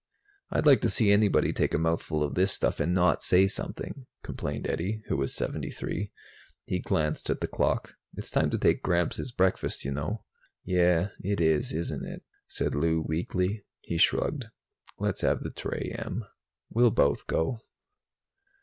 "I'd like to see anybody take a mouthful of this stuff and not say something," complained Eddie, who was 73. He glanced at the clock. "It's time to take Gramps his breakfast, you know." "Yeah, it is, isn't it?" said Lou weakly. He shrugged. "Let's have the tray, Em." "We'll both go."